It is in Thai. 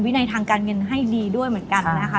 ในทางการเงินให้ดีด้วยเหมือนกันนะคะ